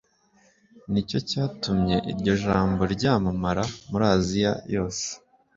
Ni cyo cyatumye iryo jambo ryamamara muri asiya yose